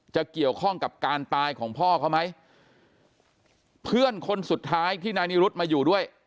จะเกี่ยวข้องกับการตายของพ่อเขาไหมเพื่อนคนสุดท้ายที่นายนิรุธมาอยู่ด้วย